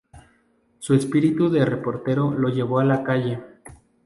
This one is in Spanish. Su espíritu de reportero lo llevó a la calle.